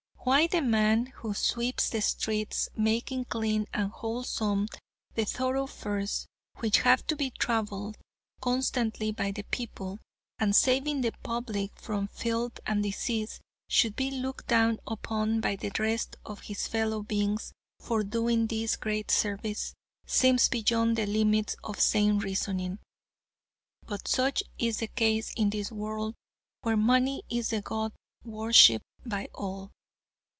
Why the man who sweeps the streets, making clean and wholesome the thoroughfares, which have to be traveled constantly by the people, and saving the public from filth and disease, should be looked down upon by the rest of his fellow beings for doing this great service, seems beyond the limits of sane reasoning; but such is the case in this world, where money is the god worshiped by all.